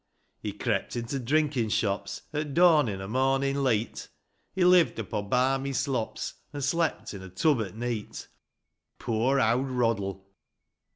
He crept into drinkin' shops At dawnin' o' mornin' leet; He lived upo' barmy slops, An' slept in a tub at neet : Poor owd Roddle